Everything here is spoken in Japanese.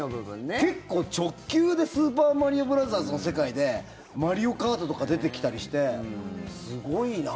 結構、直球で「スーパーマリオブラザーズ」の世界でマリオカートとか出てきたりしてすごいなって。